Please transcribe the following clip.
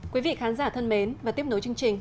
quý vị khán giả thân mến và tiếp nối chương trình